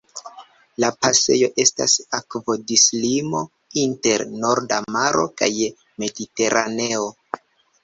La pasejo estas akvodislimo inter Norda Maro kaj Mediteraneo.